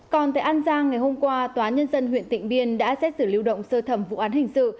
còn tại an giang ngày hôm qua tòa nhân dân huyện tịnh biên đã xét xử lưu động sơ thẩm vụ án hình sự